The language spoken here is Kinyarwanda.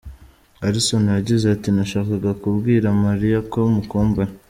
Alison yagize ati :« Nashakaga kubwira Mariah ko mukumbuye.